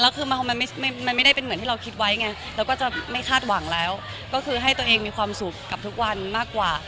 แล้วคือมันไม่ได้เป็นเหมือนที่เราคิดไว้ไงเราก็จะไม่คาดหวังแล้วก็คือให้ตัวเองมีความสุขกับทุกวันมากกว่า